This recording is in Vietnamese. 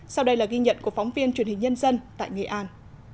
sau đây là ghi nhận của phóng viên truyền hình nhân dân tại nghệ an